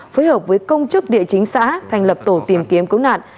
phối hợp với công chức địa chính xã thành lập tổ tìm kiếm cứu nạn